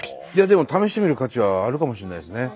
でも試してみる価値はあるかもしれないですね。